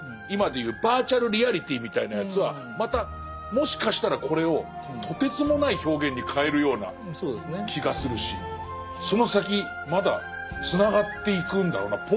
今でいうバーチャルリアリティーみたいなやつはまたもしかしたらこれをとてつもない表現に変えるような気がするしその先まだつながっていくんだろうな。